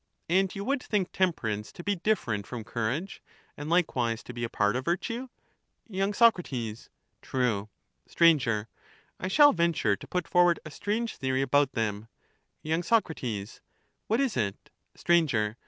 And you would think temperance to be different from courage ; and likewise to be a part of virtue ? y Soc. True. Sir. I shall venture to put forward a strange theory about them. Y.Soc. What is it? Sir.